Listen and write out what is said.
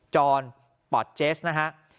จรปอดเจสนะฮะ